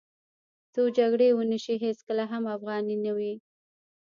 خو جګړې او نشې هېڅکله هم افغاني نه وې.